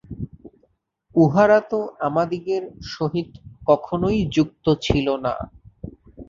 উহারা তো আমাদিগের সহিত কখনই যুক্ত ছিল না।